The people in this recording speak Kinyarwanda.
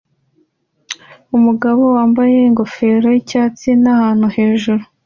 Umugabo wambaye ingofero yicyatsi ni ahantu hejuru